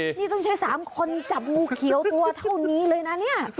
นี่ต้องใช้๓คนจับงูเขียวตัวเท่านี้เลยนะเนี่ย